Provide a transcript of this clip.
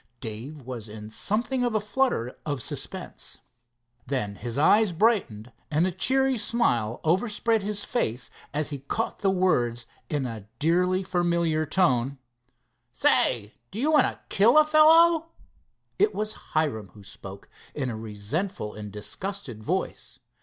Dave was in something of a flutter of suspense. Then his eye brightened and a cheery smile overspread his face, as he caught the words in a dearly familiar tone: "Say, do you want to kill a fellow?" It was Hiram who spoke, in a resentful and disgusted voice.